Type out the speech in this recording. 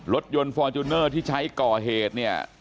รถยนต์ฟอร์จูเนอร์ที่ใช้ก่อเหตุเนี่ย